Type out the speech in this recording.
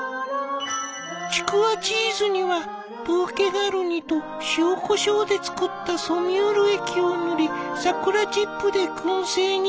ちくわチーズにはブーケガルニと塩こしょうで作ったソミュール液を塗り桜チップで燻製に。